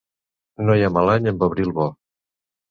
No hi ha mal any amb abril bo.